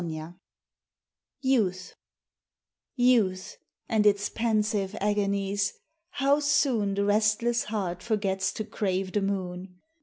XIX Youth Youth and its pensive agonies! How soon The restless heart forgets to crave the moon!